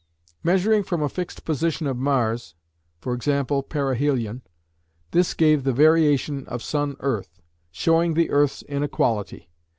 Measuring from a fixed position of Mars (e.g. perihelion), this gave the variation of SE, showing the earth's inequality.